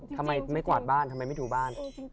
ทำไมไม่กวาดบ้านทำไมไม่ถูบ้าน